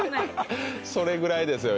それぐらいですよ